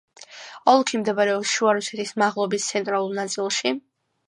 ოლქი მდებარეობს შუა რუსეთის მაღლობის ცენტრალურ ნაწილში.